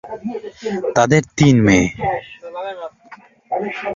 তাদের তিন মেয়ে।